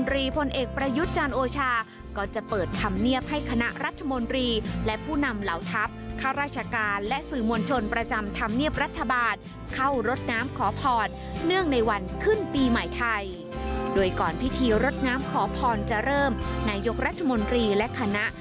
รดน้ำขอพรจะเริ่มนายยกรัฐมนตรีและคณะ